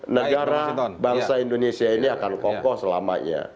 negara bangsa indonesia ini akan kokoh selamanya